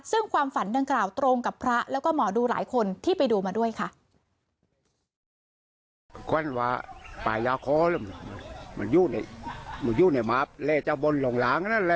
ซึ่งความฝันดังกล่าวตรงกับพระแล้วก็หมอดูหลายคนที่ไปดูมาด้วยค่ะ